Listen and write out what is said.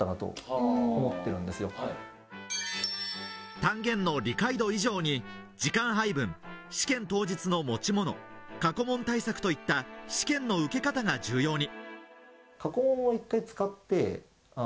単元の理解度以上に時間配分、試験当日の持ち物、過去問対策といった試験の受け方が重要に。